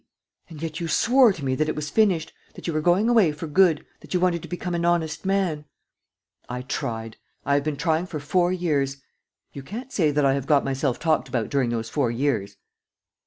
"And yet you swore to me that it was finished, that you were going away for good, that you wanted to become an honest man." "I tried. I have been trying for four years. ... You can't say that I have got myself talked about during those four years!"